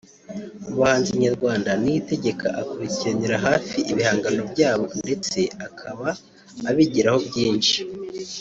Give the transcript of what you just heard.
Mu bahanzi nyarwanda Niyitegeka akurikiranira hafi ibihangano byabo ndetse akaba abigiraho byinshi